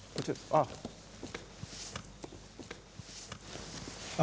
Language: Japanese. ああ。